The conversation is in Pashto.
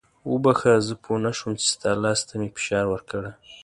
وبخښه زه پوه نه شوم چې ستا لاس ته مې فشار ورکړی.